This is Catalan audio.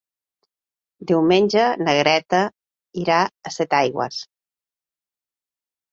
Diumenge na Greta irà a Setaigües.